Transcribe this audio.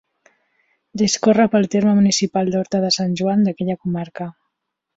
Discorre pel terme municipal d'Horta de Sant Joan, d'aquella comarca.